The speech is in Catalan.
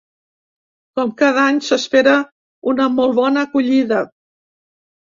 Com cada any s’espera una molt bona acollida.